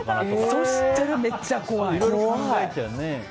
そしたら、めっちゃ怖い！